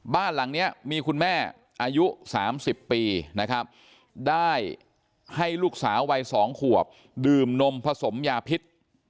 บ้านหลังนี้มีคุณแม่อายุ๓๐ปีนะครับได้ให้ลูกสาววัย๒ขวบดื่มนมผสมยาพิษ